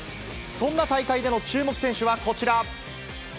そんな大会での注目選手はこちら。